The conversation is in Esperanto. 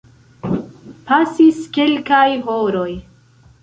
Pasis kelkaj horoj.